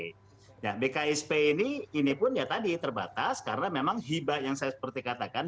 nah bksp ini ini pun ya tadi terbatas karena memang hibah yang saya seperti katakan